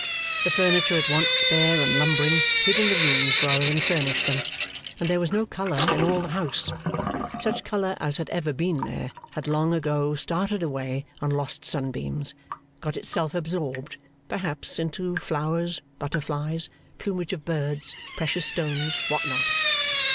The furniture, at once spare and lumbering, hid in the rooms rather than furnished them, and there was no colour in all the house; such colour as had ever been there, had long ago started away on lost sunbeams got itself absorbed, perhaps, into flowers, butterflies, plumage of birds, precious stones, what not.